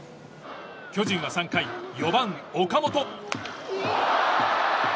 巨人は３回、４番、岡本。